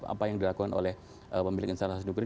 apa yang dilakukan oleh pemilik instalasi nuklir